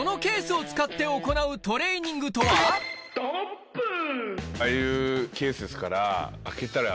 ここでああいうケースですから。